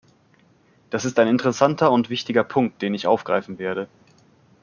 Das ist ein interessanter und wichtiger Punkt, den ich aufgreifen werde.